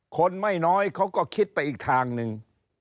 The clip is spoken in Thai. คนไม่น้อยเขาก็คิดไปอีกทางหนึ่ง